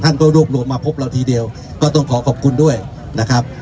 ก็รวบรวมมาพบเราทีเดียวก็ต้องขอขอบคุณด้วยนะครับ